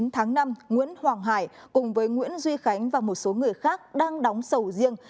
chín tháng năm nguyễn hoàng hải cùng với nguyễn duy khánh và một số người khác đang đóng sầu riêng